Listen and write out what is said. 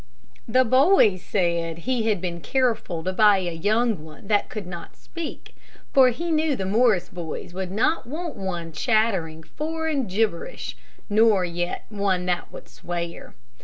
"The boy said he had been careful to buy a young one that could not speak, for he knew the Morris boys would not want one chattering foreign gibberish, nor yet one that would swear.